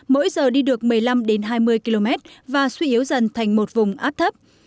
mỗi giờ đi được một mươi năm hai mươi km và suy yếu dần thành một vùng áp thấp